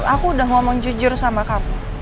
aku udah ngomong jujur sama kamu